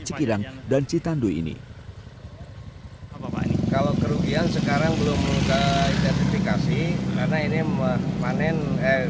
cikidang dan citandu ini kalau kerugian sekarang belum mendingkatifikasi karena ini